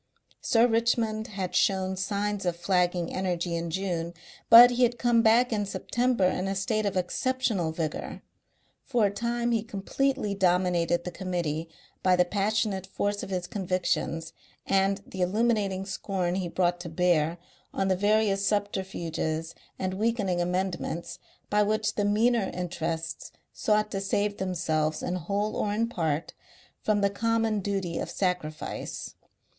Sir Richmond had shown signs of flagging energy in June, but he had come back in September in a state of exceptional vigour; for a time he completely dominated the Committee by the passionate force of his convictions and the illuminating scorn he brought to bear on the various subterfuges and weakening amendments by which the meaner interests sought to save themselves in whole or in part from the common duty of sacrifice.